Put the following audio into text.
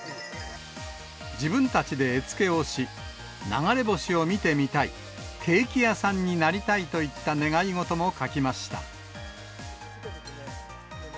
自分たちで絵付けをし、流れ星を見てみたい、ケーキ屋さんになりたいといった願い事も書きました。